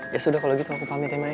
ya sudah kalau gitu aku pamit ya main